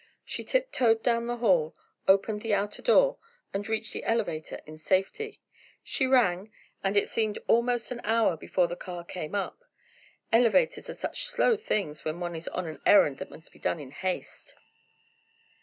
She tiptoed down the hall, opened the outer door, and reached the elevator in safety. She rang, and it seemed almost an hour before the car came up. Elevators are such slow things when one is on an errand that must be done in haste!